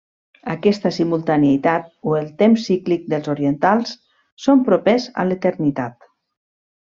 Aquesta simultaneïtat o el temps cíclic dels orientals són propers a l'eternitat.